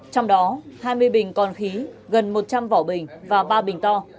trong đó hai mươi bình còn khí gần một trăm linh vỏ bình và ba bình to